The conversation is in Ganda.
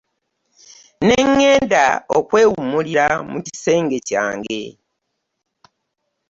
N'engenda okwewummulira mu kisenge kyange .